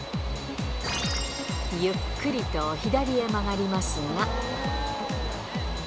ゆっくりと左へ曲がりますが。